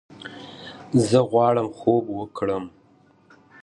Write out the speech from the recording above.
زۀ غواړم خوب وکړم!